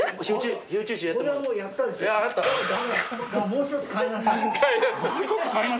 「もう一つ買いなさい」